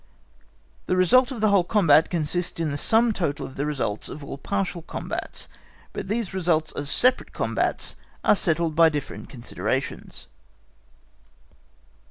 The result of the whole combat consists in the sum total of the results of all partial combats; but these results of separate combats are settled by different considerations.